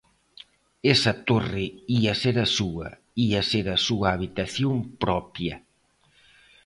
Esa torre ía ser a súa, ía ser a súa habitación propia.